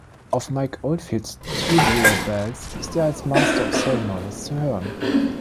Auf Mike Oldfields "Tubular Bells" ist er als Master of Ceremonies zu hören.